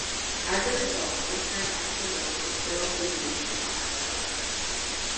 As a result, the term Eskimo is still in use in Alaska.